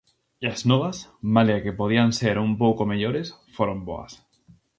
E as novas, malia que podían ser un pouco mellores, foron boas.